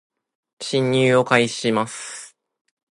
進入を開始します